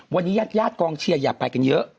วันนี้ญาติกองเชียร์อย่าไปกันเยอะ